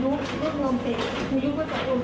ถ้าสมมติเป็นสายโมงโดนเบิ้ลใช่ไหมท่านก็จะเช็คว่า